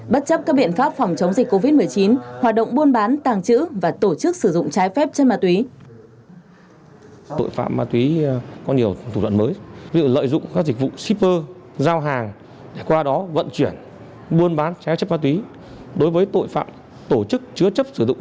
bất chấp các biện pháp phòng chống dịch covid một mươi chín hoạt động buôn bán tàng trữ và tổ chức sử dụng